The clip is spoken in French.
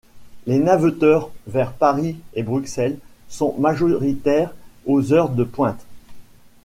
Les navetteurs, vers Paris et Bruxelles, sont majoritaires aux heures de pointe.